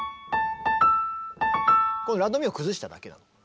このラドミを崩しただけなの。